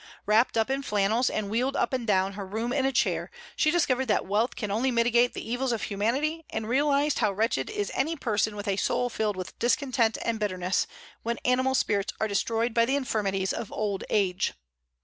Wrapt up in flannels, and wheeled up and down her room in a chair, she discovered that wealth can only mitigate the evils of humanity, and realized how wretched is any person with a soul filled with discontent and bitterness, when animal spirits are destroyed by the infirmities of old age.